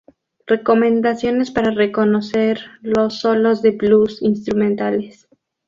Recomendaciones para reconocer los solos de "blues" instrumentales.